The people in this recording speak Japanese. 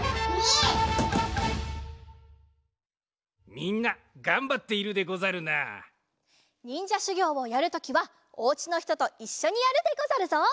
みんながんばっているでござるな。にんじゃしゅぎょうをやるときはお家のひとといっしょにやるでござるぞ。